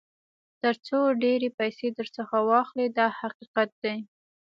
تر څو ډېرې پیسې درڅخه واخلي دا حقیقت دی.